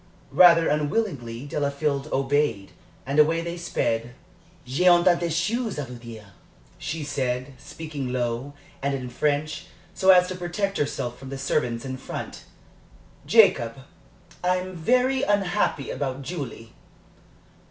Rather unwillingly, Delafield obeyed, and away they sped. "J'ai un tas de choses à vous dire," she said, speaking low, and in French, so as to protect herself from the servants in front. "Jacob, I'm very unhappy about Julie."